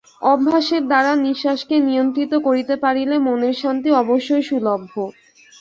অভ্যাসের দ্বারা নিঃশ্বাসকে নিয়ন্ত্রিত করিতে পারিলে মনের শান্তি অবশ্যই সুলভ্য।